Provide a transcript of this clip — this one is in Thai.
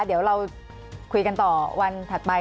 เดี๋ยวเราคุยกันต่อวันถัดไป